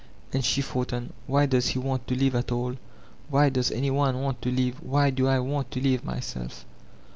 And she thought on, "Why does he want to live at all, why does any one want to live, why do I want to live myself?"